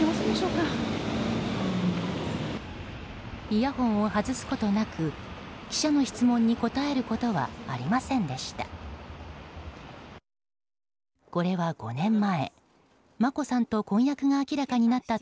イヤホンを外すことなく記者の質問に答えることはありませんでした。